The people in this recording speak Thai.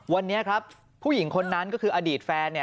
วันนี้ครับผู้หญิงคนนั้นก็คืออดีตแฟน